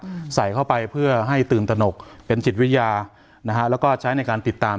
อืมใส่เข้าไปเพื่อให้ตื่นตนกเป็นจิตวิทยานะฮะแล้วก็ใช้ในการติดตาม